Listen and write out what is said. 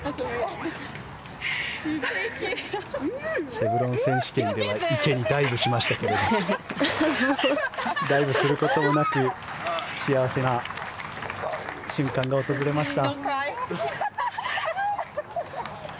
シェブロン選手権では池にダイブしましたけどもダイブすることもなく幸せな瞬間が訪れました。